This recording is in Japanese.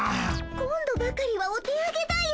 今度ばかりはお手上げだよ。